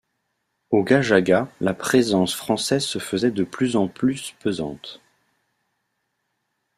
Au Gajaaga, la présence française se faisait de plus en plus pesante.